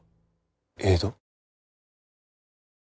江戸？